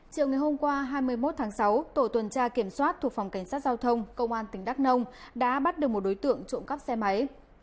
chiều ngày hôm qua hai mươi một tháng sáu tổ tuần tra kiểm soát thuộc phòng cảnh sát giao thông công an tỉnh đắk nông đã bắt được một đối tượng trộm cắp xe máy